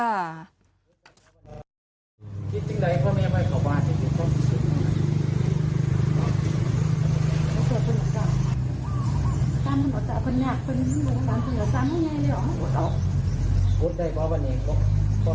แล้วแล้วหวังไหนคะ